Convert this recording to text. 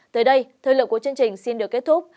tới đây thời lượng của chương trình xin được kết thúc